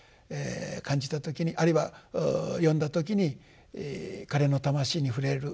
感じた時にあるいは読んだ時に彼の魂に触れることができる。